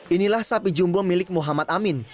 inilah sapi jumbo milik muhammad amin